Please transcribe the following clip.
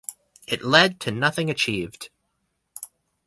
It led to nothing achieved.